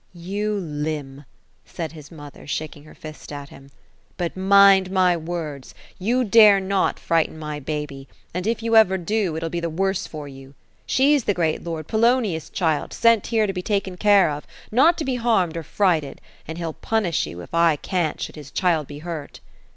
" You limb !" said his mother, shaking her fist at him ;" but mind my words. You dare not frighten ray baby ; and if ever you do, it'll be the worse for you. She's the great lord Polonius's child, sent here to be taken ca^e of — not to be be harmed or frighted ; and faeUl punish ye, if I can't, should his child be hurt."